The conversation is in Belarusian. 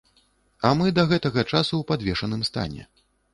А мы да гэтага часу ў падвешаным стане.